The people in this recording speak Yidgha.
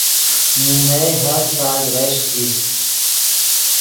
نے نئے ہر سال رشک ایست